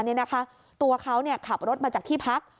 ชุมชนม่วงมณีขับรถมาจากที่พัก